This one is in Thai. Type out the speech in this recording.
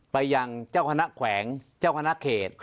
ไปยังเจ้าคณะแขวงเจ้าคณะเขต